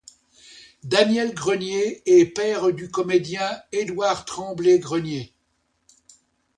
Daniel Grenier est père du comédien Édouard Tremblay-Grenier.